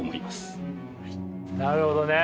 なるほどね。